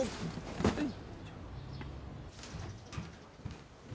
はい